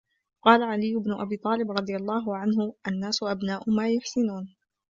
وَقَالَ عَلِيُّ بْنُ أَبِي طَالِبٍ رَضِيَ اللَّهُ عَنْهُ النَّاسُ أَبْنَاءُ مَا يُحْسِنُونَ